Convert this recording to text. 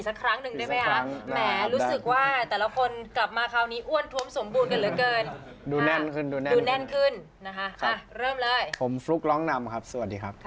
เสื้อจริงแล้ว